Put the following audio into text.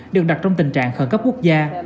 được đặt trong tình trạng khẩn cấp quốc gia